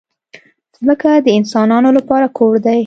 ځمکه د انسانانو لپاره کور دی.